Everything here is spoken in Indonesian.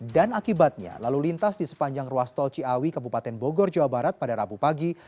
dan akibatnya lalu lintas di sepanjang ruas tol ciawi kabupaten bogor jawa barat pada rabu pagi